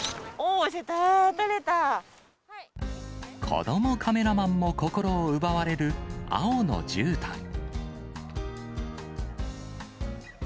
子どもカメラマンも心を奪われる、青のじゅうたん。